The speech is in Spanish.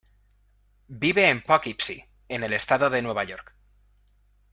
Vive en Poughkeepsie, en el estado de Nueva York.